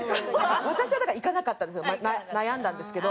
私はだから行かなかったんです悩んだんですけど。